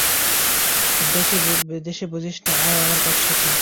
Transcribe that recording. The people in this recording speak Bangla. বেশি বুঝিস না, আয় আমার সাথে।